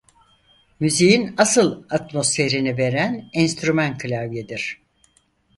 Müziğin asıl atmosferini veren enstrüman klavyedir.